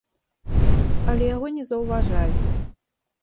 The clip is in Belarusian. Але яго не заўважалі.